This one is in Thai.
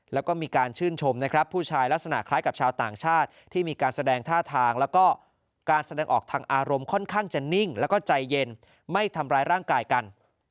แล้วก็มีการชื่นชมนะครับผู้ชายลักษณะคล้ายกับชาวต่างชาติที่มีการแสดงท่าทางแล้วก็การแสดงออกทางอารมณ์ค่อนข้างจะนิ่งแล้วก็ใจเย็นไม่ทำร้ายร่างกายกัน